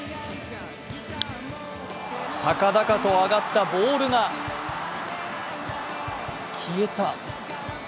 高々と上がったボールが消えた。